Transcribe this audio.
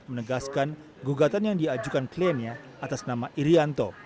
menegaskan gugatan yang diajukan kliennya atas nama irianto